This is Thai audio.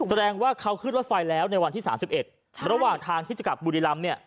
แสดงว่าเขาขึ้นรถไฟแล้วในวันที่๓๑ระหว่างทางที่จะกลับบุรีรำเนี่ย